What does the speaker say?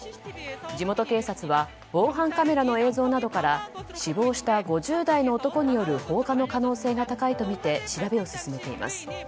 地元警察は防犯カメラの映像などから死亡した５０代の男による放火の可能性が高いとみて調べを進めています。